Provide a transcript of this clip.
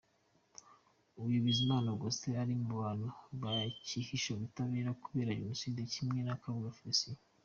Uyu Bizimana Augustin ari mu bantu bacyihisha ubutabera kubera Jenoside, kimwe na Kabuga Félicien.